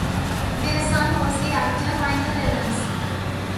Their son was the actor Michael Evans.